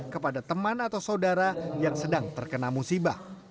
kepada teman atau saudara yang sedang terkena musibah